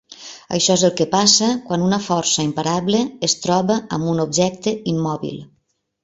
Això és el que passa quan una força imparable es troba amb un objecte immòbil.